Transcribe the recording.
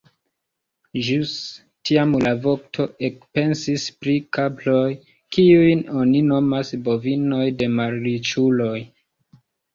Ĵus tiam la vokto ekpensis pri kaproj, kiujn oni nomas bovinoj de malriĉuloj.